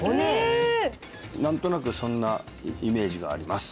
何となくそんなイメージがあります